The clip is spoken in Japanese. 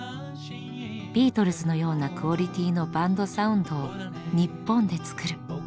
ビートルズのようなクオリティーのバンドサウンドを日本で作る。